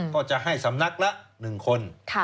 ก็จะให้สำนักละ๑คน